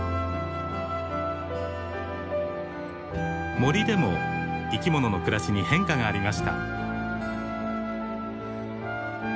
森でも生き物の暮らしに変化がありました。